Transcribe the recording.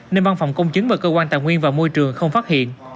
nên văn phòng công chứng và cơ quan tài nguyên và môi trường không phát hiện